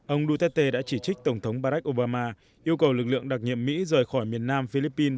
ông duterte đã chỉ trích tổng thống barack obama yêu cầu lực lượng đặc nhiệm mỹ rời khỏi miền nam philippines